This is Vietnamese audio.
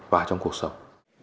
và trong cuộc sống